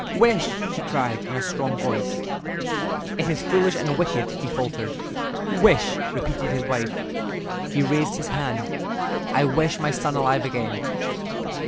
"Wish!" she cried, in a strong voice. "It is foolish and wicked," he faltered. "Wish!" repeated his wife. He raised his hand. "I wish my son alive again."